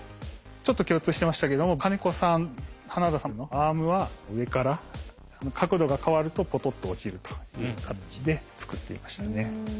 ちょっと共通してましたけども金子さん花田さんのアームは上から角度が変わるとポトッと落ちるという形で作っていましたね。